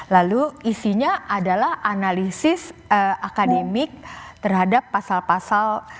lalu isinya adalah analisis akademik terhadap pasal pasal